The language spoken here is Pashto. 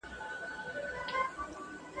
په هوا کي ماڼۍ نه جوړېږي !.